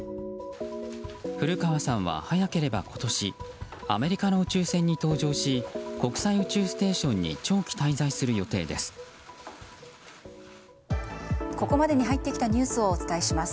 古川さんは早ければ今年アメリカの宇宙船に搭乗し国際宇宙ステーションに長期滞在する予定です。